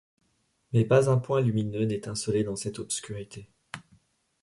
Mais pas un point lumineux n’étincelait dans cette obscurité.